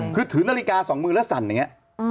คือถือนาฬิกา๒มือแล้วสั่นอย่างนี้